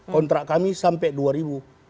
kontrak kami sampai dua ribu dua puluh empat